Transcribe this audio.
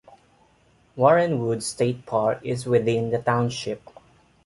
Warren Woods State Park is within the township.